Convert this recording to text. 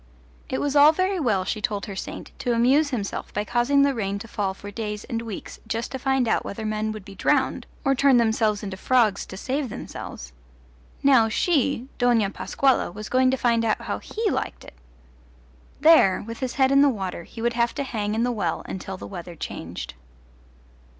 It was all very well, she told her saint, to amuse himself by causing the rain to fall for days and weeks just to find out whether men would be drowned or turn themselves into frogs to save themselves: now she, Dona Pascuala, was going to find out how he liked it. There, with his head in the water, he would have to hang in the well until the weather changed.